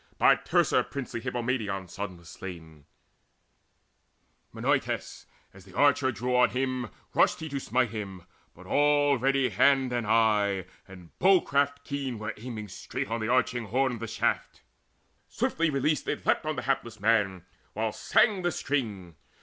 By Teucer princely Hippomedon's son was slain, Menoetes: as the archer drew on him, Rushed he to smite him; but already hand And eye, and bow craft keen were aiming straight On the arching horn the shaft. Swiftly released It leapt on the hapless man, while sang the string.